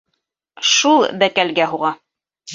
Шул бәкәлгә һуға.